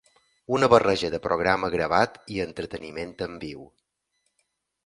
Una barreja de programa gravat i entreteniment en viu.